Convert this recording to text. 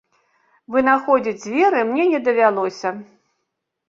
Вынаходзіць дзверы мне не давялося.